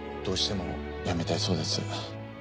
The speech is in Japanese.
どうしても辞めたいそうです。